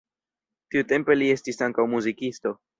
Tiutempe li estis ankaŭ muzikisto.